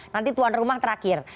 nanti tuan rumah terakhir